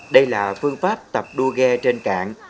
đây là phương pháp tập đua ghe trên cạn